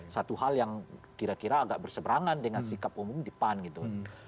satu hal yang kira kira agak berseberangan dengan sikap umum di pan gitu